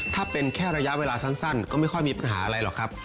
ถ้าเป็นแค่ระยะเวลาสั้นก็ไม่ค่อยมีปัญหาอะไรหรอกครับ